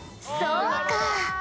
「そうか！」